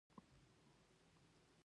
• لور د خدای تر ټولو غوره تحفه ده.